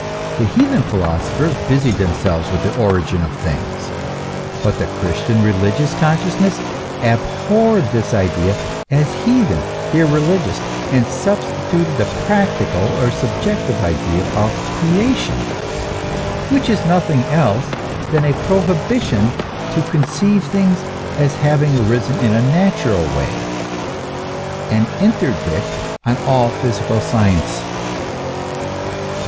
The heathen philosophers busied themselves with the origin of things. But the Christian religious consciousness abhorred this idea as heathen, irreligious, and substituted the practical or subjective idea of Creation, which is nothing else than a prohibition to conceive things as having arisen in a natural way, an interdict on all physical science.